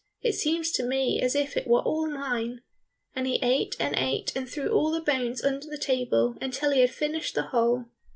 It seems to me as if it were all mine." And he ate and ate and threw all the bones under the table, until he had finished the whole.